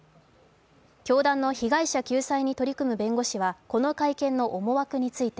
教団の被害者救済に取り組む弁護士はこの会見の思惑について